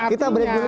kita break dulu